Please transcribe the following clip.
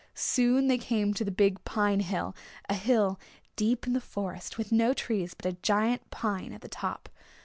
Soon they came to Big Pine Hill, a hill deep in the forest with no trees but a giant pine at the top.